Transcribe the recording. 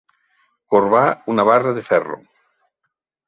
Corbar una barra de ferro.